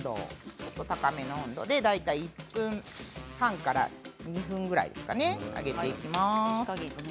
高めの温度で大体１分半から２分ぐらいですかね揚げていきます。